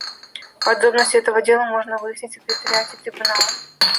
Подробности этого дела можно выяснить в Секретариате Трибунала.